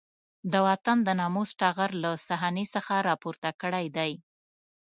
د وطن د ناموس ټغر له صحنې څخه راپورته کړی دی.